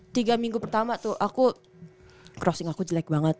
tiga minggu pertama tuh aku crossing aku jelek banget